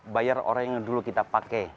bayar orang yang dulu kita pakai